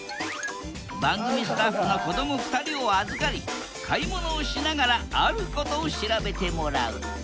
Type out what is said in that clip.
番組スタッフの子ども２人を預かり買い物をしながらあることを調べてもらう。